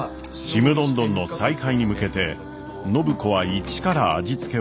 ちむどんどんの再開に向けて暢子は一から味付けを見直し